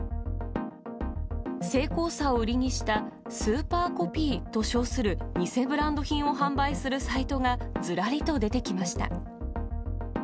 精巧さを売りにしたスーパーコピーと称する偽ブランド品を販売するサイトがずらりと出てきました。